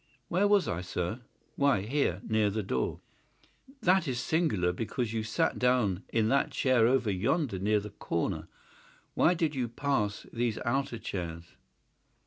"Where was I, sir? Why, here, near the door." "That is singular, because you sat down in that chair over yonder near the corner. Why did you pass these other chairs?"